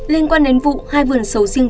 liên quan đến vụ hai vườn sầu riêng